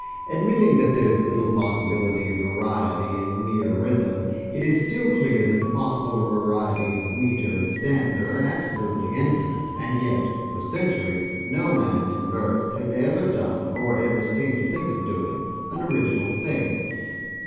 Admitting that there is little possibility of variety in mere rhythm, it is still clear that the possible varieties of metre and stanza are absolutely infinite, and yet, for centuries, no man, in verse, has ever done, or ever seemed to think of doing, an original thing.